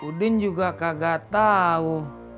udin juga kagak tau